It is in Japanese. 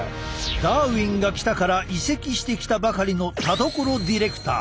「ダーウィンが来た！」から移籍してきたばかりの田所ディレクター。